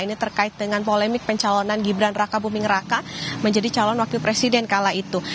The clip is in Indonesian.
ini terkait dengan polemik pencalonan gibran raka buming raka menjadi calon wakil presiden kala itu